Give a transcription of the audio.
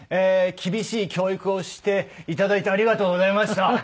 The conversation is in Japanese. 厳しい教育をして頂いてありがとうございました。